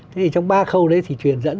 thế thì trong ba khâu đấy thì truyền dẫn